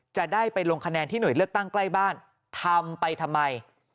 จะได้ไปลงคะแนนที่หน่วยเลือกตั้งใกล้บ้านทำไปทำไม